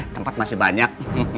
tempat masih banyak